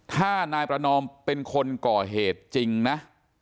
ถ้านายประนอมเป็นคนก่อเหตุจริงนะ